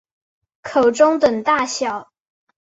口中等大小。